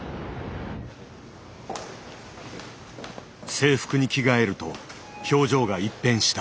制服に着替えると表情が一変した。